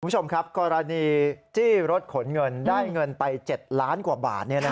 คุณผู้ชมครับกรณีจี้รถขนเงินได้เงินไป๗ล้านกว่าบาท